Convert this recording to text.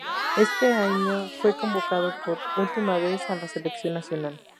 En ese año, fue convocado por última vez a la selección nacional.